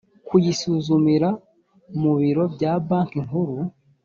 kuyisuzumira mu biro bya banki nkuru